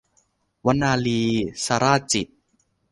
วนาลี - สราญจิตต์